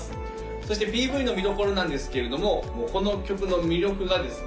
そしてＰＶの見どころなんですけれどもこの曲の魅力がですね